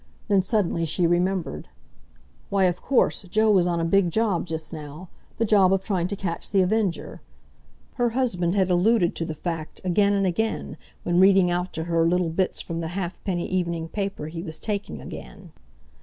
Then, suddenly she remembered. Why, of course, Joe was on a big job just now—the job of trying to catch The Avenger! Her husband had alluded to the fact again and again when reading out to her little bits from the halfpenny evening paper he was taking again.